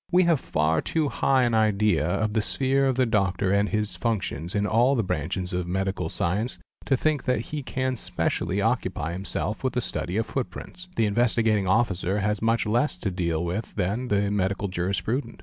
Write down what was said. We have far too high an idea of the sphere of the doctor and his functions in all the branches of medical —: science to think that he can specially occupy himself with the study of footprints. The Investigating Officer has much less to deal with than the Medical Jurisprudent.